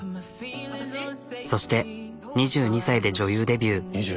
そして２２歳で女優デビュー。